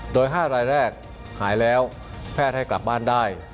โดย๕รายแรกหายแล้วแพทย์ให้กลับบ้านได้